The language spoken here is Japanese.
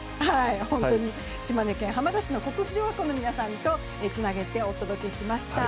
島根県浜田市の国府小学校の皆さんとつなげてお届けしました。